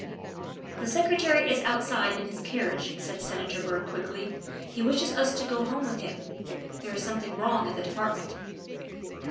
" The Secretary is outside in his carriage," said Senator Byrd quickly; " he wishes us to go home with him. There is something wrong at the Department.